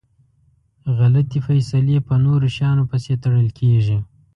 غلطي فیصلی په نورو شیانو پسي تړل کیږي.